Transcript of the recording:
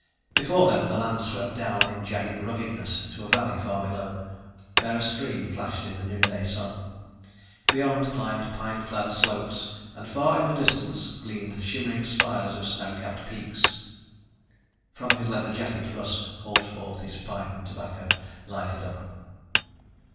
Before them the land swept down in jagged ruggedness to a valley far below, where a stream flashed in the noonday sun. Beyond climbed pine clad slopes and far in the distance gleamed shimmering spires of snow capped peaks. From his leather jacket Russ hauled forth his pipe and tobacco, lighted up.